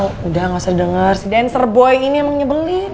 oh udah gak usah denger si dancer boy ini emang nyebelin